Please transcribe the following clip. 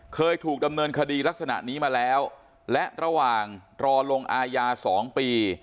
เคยถูกดำเนินคดีลักษณะนี้มาแล้วและระหว่างรอลงอาญา๒ปี